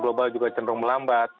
global juga cenderung melambat